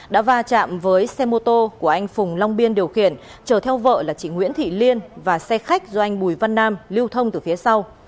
đã va chạm với xe mô tô của anh phùng long biên điều khiển chở theo vợ là chị nguyễn thị liên và xe khách do anh bùi văn nam lưu thông từ phía sau